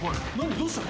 どうしたの？